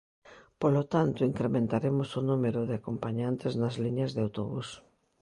Polo tanto, incrementaremos o número de acompañantes nas liñas de autobús.